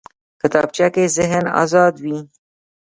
کتابچه کې ذهن ازاد وي